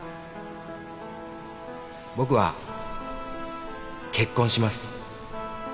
「僕は結婚します」